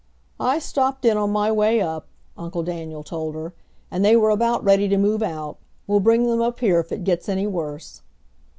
"I stopped in on my way up," Uncle Daniel told her, "and they were about ready to move out. We'll bring them up here if it gets any worse."